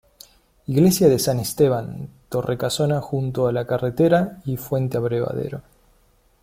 Iglesia de San Esteban, Torre-casona junto a la carretera y fuente-abrevadero.